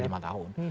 ya lima tahun